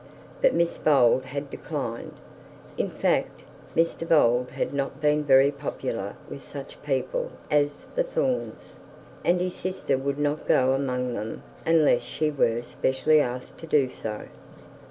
But Miss Bold had declined. In fact, Mr Bold had not been very popular with such people as the Thornes, and his sister would not go among them unless she were specially asked to do so.